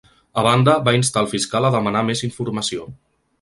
A banda, va instar el fiscal a demanar més informació.